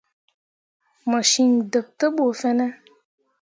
Mo cen ɗeɓ te bu fine ?